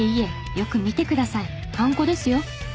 よく見てくださいはんこですよ！